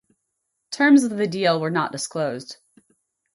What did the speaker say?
Terms of the deal were not disclosed.